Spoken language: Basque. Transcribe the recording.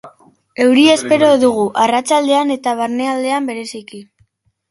Euria espero dugu, arratsaldean eta barnealdean bereziki.